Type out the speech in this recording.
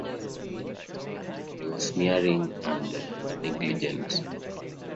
They were sneering and negligent.